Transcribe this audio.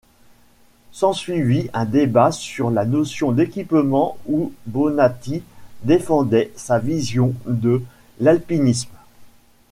S'ensuivit un débat sur la notion d'équipement ou Bonatti défendait sa vision de l'alpinisme.